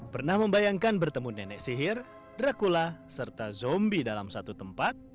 pernah membayangkan bertemu nenek sihir dracula serta zombie dalam satu tempat